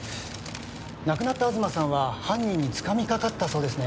亡くなった東さんは犯人につかみかかったそうですね。